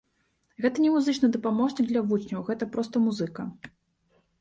Гэта не музычны дапаможнік для вучняў, гэта проста музыка.